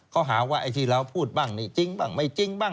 เขาหาว่าไอ้ที่เราพูดบ้างนี่จริงบ้างไม่จริงบ้าง